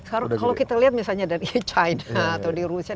kalau kita lihat misalnya dari china atau di rusia